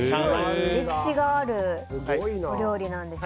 歴史があるお料理なんですよね。